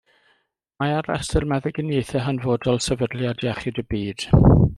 Mae ar Restr Meddyginiaethau Hanfodol Sefydliad Iechyd y Byd.